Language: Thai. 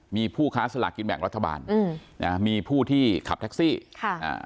มีผู้ค้าสลากกินแบ่งรัฐบาลอืมนะฮะมีผู้ที่ขับแท็กซี่ค่ะอ่า